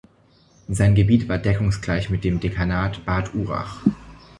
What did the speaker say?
Sein Gebiet war deckungsgleich mit dem Dekanat Bad Urach.